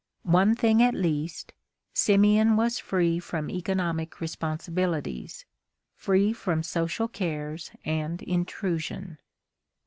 One thing at least, Simeon was free from economic responsibilities, free from social cares and intrusion.